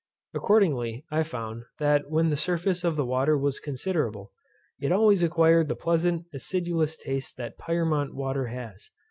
Accordingly, I found, that when the surface of the water was considerable, it always acquired the pleasant acidulous taste that Pyrmont water has.